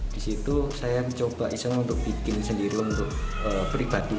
di situ saya mencoba iseng untuk bikin sendiri untuk pribadi